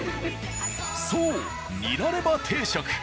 そうニラレバ定食。